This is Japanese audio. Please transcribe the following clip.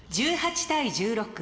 １８対１６。